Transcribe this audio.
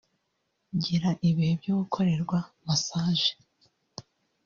Gira ibihe byo gukorerwa massage